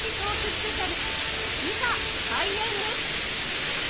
スペシャルいざ開演です！